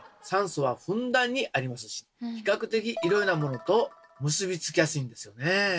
酸素はふんだんにありますし比較的いろいろなものと結びつきやすいんですよね。